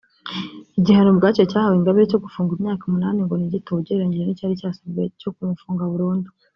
Igihano ubwacyo cyahawe Ingabire cyo gufungwa imyaka umunani ngo ni gito ugereranyije n’icyari cyasabwe cyo kumufunga burundu